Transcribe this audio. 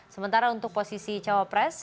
sementara untuk posisi capres